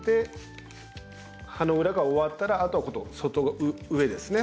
葉の裏が終わったらあとは今度上ですね。